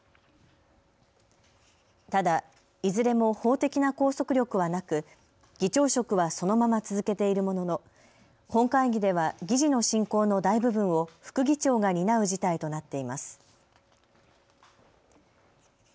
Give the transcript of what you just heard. ただいずれも法的な拘束力はなく議長職はそのまま続けているものの本会議では議事の進行の大部分を副議長が担う事態となっています。